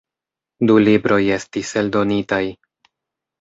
Du libroj estis eldonitaj.